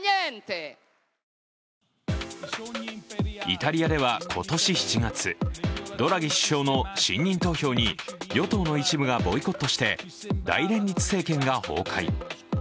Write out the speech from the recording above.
イタリアでは今年７月ドラギ首相の信任投票に与党の一部がボイコットして大連立政権が崩壊。